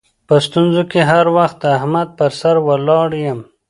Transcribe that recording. په ستونزو کې هر وخت د احمد پر سر ولاړ یم.